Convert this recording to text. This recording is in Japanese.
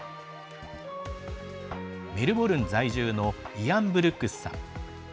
メルボルン在住のイアン・ブルックスさん。